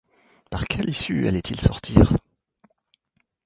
Par quelle issue allaient-ils sortir ?